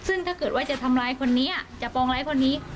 ซึ่งถ้าเกิดว่าจะทำร้ายคนนี้จะปองร้ายคนนี้